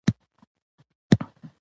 کله نمر پۀ خپلو لمنو کښې ونيوي